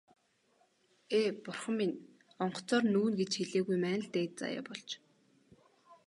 Ээ, бурхан минь, онгоцоор нүүнэ гэж хэлээгүй маань л дээд заяа болж.